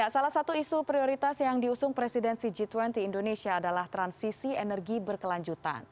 salah satu isu prioritas yang diusung presidensi g dua puluh indonesia adalah transisi energi berkelanjutan